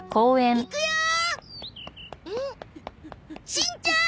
しんちゃん！